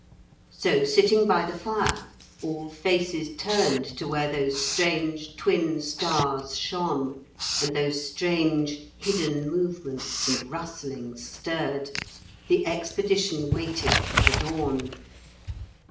So, sitting by the fire, all faces turned to where those strange twin stars shone and those strange hidden movements and rustlings stirred, the expedition waited for the dawn.